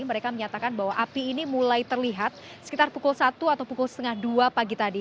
mereka menyatakan bahwa api ini mulai terlihat sekitar pukul satu atau pukul setengah dua pagi tadi